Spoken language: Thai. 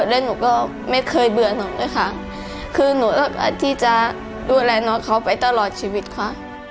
แล้วหนูก็ไม่เคยเบื่อน้องด้วยค่ะคือหนูสามารถที่จะดูแลน้องเขาไปตลอดชีวิตค่ะ